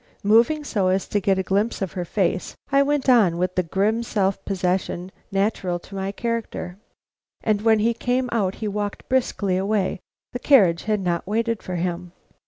Moving so as to get a glimpse of her face, I went on with the grim self possession natural to my character: "And when he came out he walked briskly away. The carriage had not waited for him."